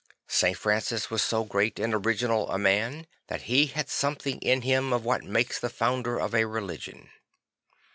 St. Francis was so great and original a man that he had something in him of what makes the founder of a religion.